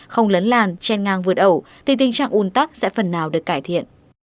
không lấn làn chen ngang vượt ẩu thì tình trạng un tắc sẽ phần nào được cải thiện